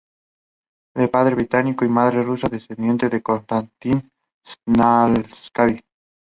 De padre británico y madre rusa descendiente de Constantin Stanislavski.